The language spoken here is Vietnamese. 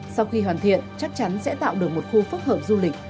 sau khi hoàn thiện chắc chắn sẽ tạo được một khu phức hợp du lịch